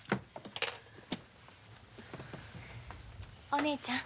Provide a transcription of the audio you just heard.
お姉ちゃん。